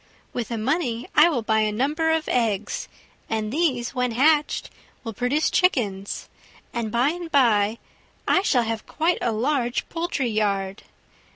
With the money I will buy a number of eggs, and these, when hatched, will produce chickens, and by and by I shall have quite a large poultry yard.